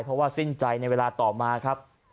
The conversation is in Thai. เพราะว่าสิ้นใจในเวลาต่อมาครับ